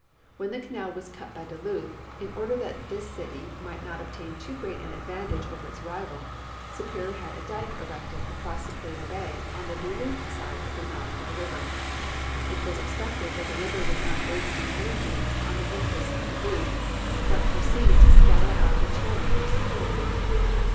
When tlie canal was cut by Duluth, in order that this eity nii<;lit not obtain too <];reat an advantajjje over its rival. Superior had a dyke erected across .Sui)erior bay, on the Duluth side of the mouth of the river. It was expected that the river would not waste its energies on the interests of Duluth, but |)roceed to scour out the channel for Superior.